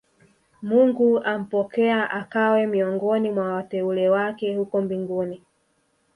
mungu ampokea akawe miongoni mwa wateule wake huko mbinguni